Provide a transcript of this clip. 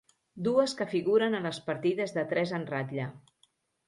Dues que figuren a les partides de tres en ratlla.